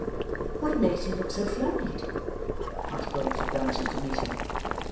"What makes you look so flurried?" asked Rose, advancing to meet him.